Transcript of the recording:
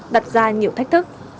đặt ra nhiều thách thức